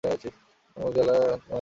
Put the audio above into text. আসসালামু আলাইকুম চাচা, আইডি?